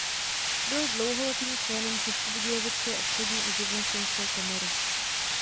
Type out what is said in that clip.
Byl dlouholetým členem českobudějovické obchodní a živnostenské komory.